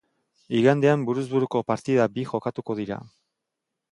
Igandean buruz buruko partida bi jokatuko dira.